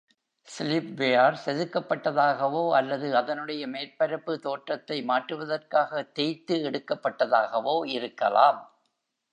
Slipware செதுக்கப்பட்டதாகவோ அல்லது அதனுடைய மேற்பரப்பு தோற்றத்தை மாற்றுவதற்காக தேய்த்து எடுக்கப்பட்டதாகவோ இருக்கலாம்.